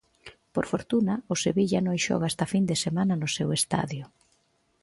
Por fortuna, o Sevilla non xoga esta fin de semana no seu estadio.